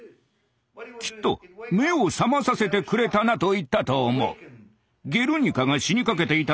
きっと「目を覚まさせてくれたな」と言ったと思う。